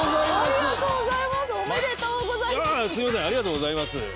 ありがとうございます！